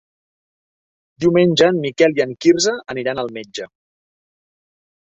Diumenge en Miquel i en Quirze aniran al metge.